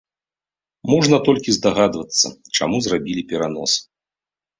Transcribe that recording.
Можна толькі здагадвацца, чаму зрабілі перанос.